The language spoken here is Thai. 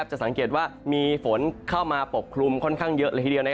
จะสังเกตว่ามีฝนเข้ามาปกคลุมค่อนข้างเยอะเลยทีเดียว